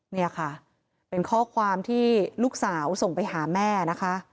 นี่ค่ะเป็นข้อความที่ลูกสาวส่งไปหาแม่นะคะ